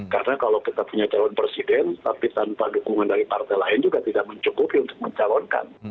karena kalau kita punya calon presiden tapi tanpa dukungan dari partai lain juga tidak mencukupi untuk mencalonkan